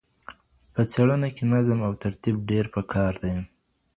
په څېړنه کي نظم او ترتیب ډېر پکار دی.